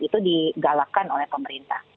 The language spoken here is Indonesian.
itu digalakkan oleh pemerintah